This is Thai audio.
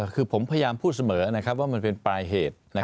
คือผมพยายามพูดเสมอว่ามันเป็นปลายเหตุ